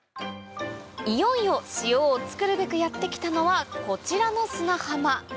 いよいよ塩を作るべくやって来たのはこちらの砂浜